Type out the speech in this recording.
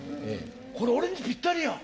これ俺にぴったりや！